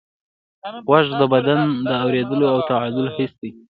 غوږ د بدن د اورېدو او تعادل حس دی.